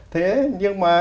thế nhưng mà